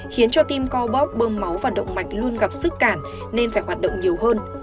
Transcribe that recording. khiến cho tim co bóp bơm máu và động mạch luôn gặp sức cản nên phải hoạt động nhiều hơn